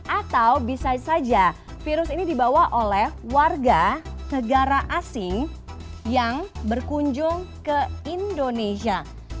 atau bisa saja virus ini dibawa oleh warga negara asing yang berkunjung ke indonesia